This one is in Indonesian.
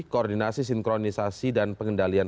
koordinasi sinkronisasi dan pengendalian